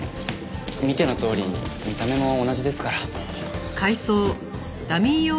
見てのとおり見た目も同じですから。